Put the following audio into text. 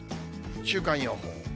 週間予報。